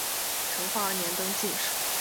成化二年登进士。